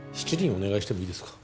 お願いしてもいいですか？